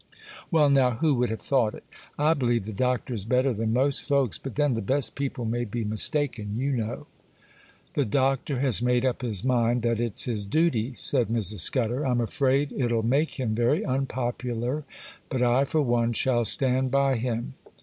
[A] Well now, who would have thought it? I believe the Doctor is better than most folks; but then the best people may be mistaken, you know.' 'The Doctor has made up his mind that it's his duty,' said Mrs. Scudder. 'I'm afraid it'll make him very unpopular; but I, for one, shall stand by him.